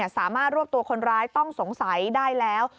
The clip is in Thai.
สามารถรวบตัวคนร้ายต้องสงสัยได้แล้ว